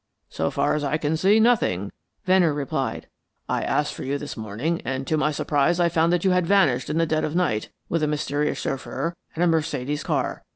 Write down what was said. "So far as I can see, nothing," Venner replied. "I asked for you this morning, and to my surprise I found that you had vanished in the dead of the night with a mysterious chauffeur and a Mercedes car.